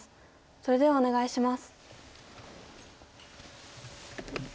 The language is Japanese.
それではお願いします。